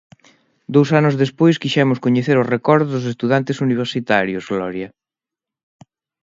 Dous anos despois quixemos coñecer os recordos dos estudantes universitarios, Gloria...